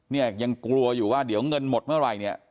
เนี่ยยังกลัวอยู่ว่าเดี๋ยวเงินหมดเมื่อไหร่เนี่ย